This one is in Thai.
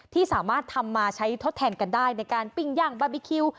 ที่สามารถทำมาใช้ทดแทนกันได้ในการปิ้งย่างบาร์บีคิว